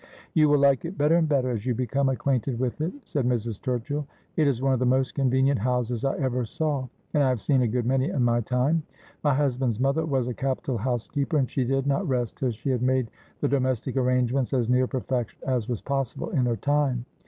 ' You will like it better and better as you become acquainted with it,' said Mrs. Turchill. ' It is one of the most convenient houses I ever saw, and I have seen a good many in my time. My husband's mother was a capital housekeeper, and she did not rest till she had made the domestic arrangements as near perfection as was possible in her time.